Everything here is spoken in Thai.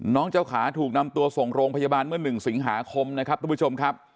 เจ้าขาถูกนำตัวส่งโรงพยาบาลเมื่อ๑สิงหาคมนะครับทุกผู้ชมครับ